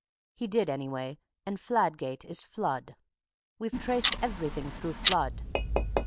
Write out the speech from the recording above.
He did, anyway, and Fladgate is Flood. We've traced everything through Flood.